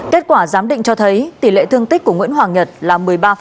kết quả giám định cho thấy tỷ lệ thương tích của nguyễn hoàng nhật là một mươi ba